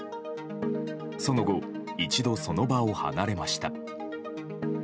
その後、一度その場を離れました。